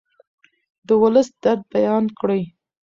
د ولس درد بیان کړئ.